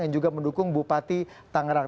yang juga mendukung bupati tangerang